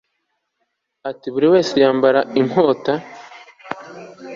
iti buri wese yambare inkota